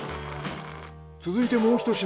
続いてもうひと品。